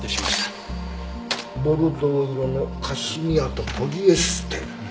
ボルドー色のカシミヤとポリエステル。